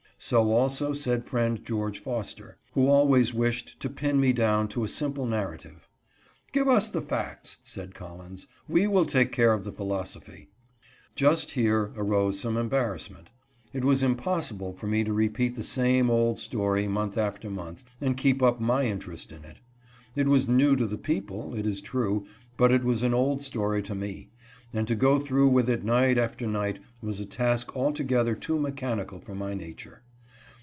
So also said Friend George Foster, who always wished to pin me down to a simple narrative. " Give us the facts," said Collins, " we will take care of the philosophy." Just here arose some embarrassment. It was impossible for me to repeat the same old story month after month and keep up my interest in it. It was new to the people, it is true, but it was an old story to me ; and to go through with it night after night was a task al together too mechanical for my nature.